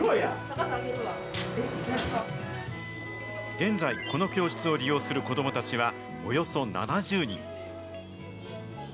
現在、この教室を利用する子どもたちはおよそ７０人。